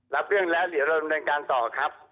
รับเรื่องแล้วเริ่มเริ่มเรื่องการต่อครับ